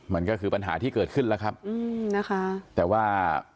มันก็คือปัญหาที่เกิดขึ้นแต่ว่า